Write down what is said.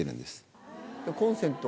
コンセント？